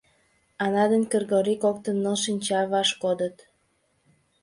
Ана ден Кыргорий коктын ныл шинча ваш кодыт.